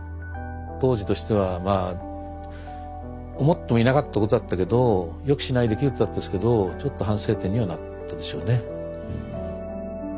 当時としてはまあ思ってもいなかったことだったけど予期しない出来事だったですけどちょっと反省点にはなったでしょうね。